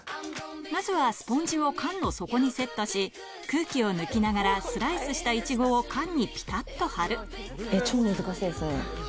まずはスポンジを缶の底にセットし空気を抜きながらスライスしたイチゴを缶にピタっと張る超難しいですね。